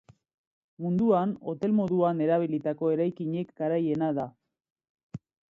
Munduan, hotel moduan erabilitako eraikinik garaiena da.